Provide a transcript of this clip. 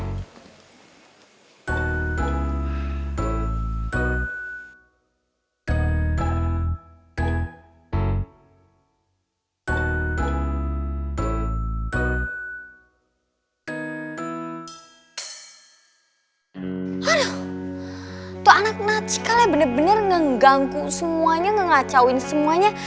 aduh tuh anak nacikalnya bener bener ngeganggu semuanya ngegacauin semuanya